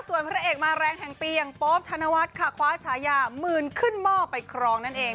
ส่วนพระเอกมาแรงแห่งปีอย่างโป๊บธนวัฒน์ค่ะคว้าฉายาหมื่นขึ้นหม้อไปครองนั่นเอง